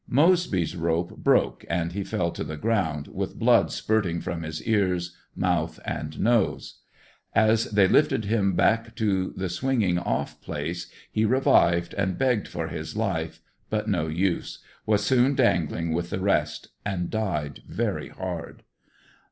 Moseby's rope broke and he fell to the ground, with blood spurting from his ears, mouth and nose. As they was lifting him back to the swinging off place he revived and begged for his life, but no use, was soon dangling with the rest, and died very hard.